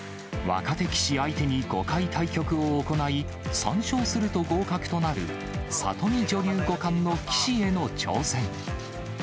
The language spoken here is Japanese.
若手棋士相手に５回対局を行い、３勝すると合格となる里見女流五冠の棋士への挑戦。